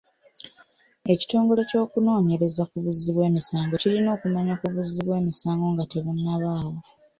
Ekitongole ky'obunoonyereza ku buzzi bw'emisango kirina okumanya ku buzzi bw'emisango nga tebunnabaawo.